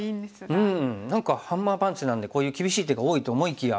うん何かハンマーパンチなんでこういう厳しい手が多いと思いきや。